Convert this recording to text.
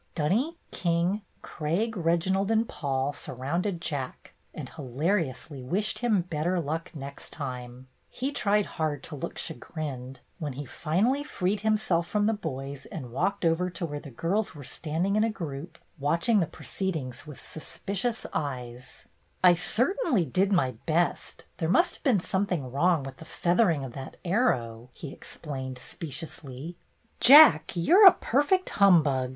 Dunny, King, Craig, Reginald, and Paul surrounded Jack, and hilariously wished him better luck next time. He tried hard to look chagrined, when he finally freed himself from the boys and walked over to where the girls were standing in a group, watching the pro ceedings with suspicious eyes. 86 BETTY BAIRD'S GOLDEN YEAR "I certainly did my best. There must have been something wrong with the feathering of that arrow/' he explained speciously. ''Jack, you're a perfect humbug!